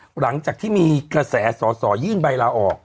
หลังจากที่มีกระแสสอสอยื่นใบลาออก